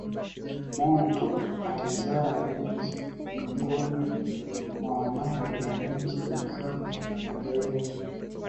Monto alizaa Range miongoni mwa wanae na Range alizaa Magaiwa